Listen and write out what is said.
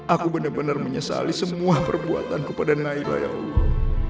aku benar benar menyesali semua perbuatanku pada nailah ya allah